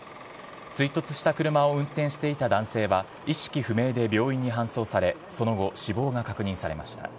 追突した車を運転していた男性は意識不明で病院に搬送されその後、死亡が確認されました。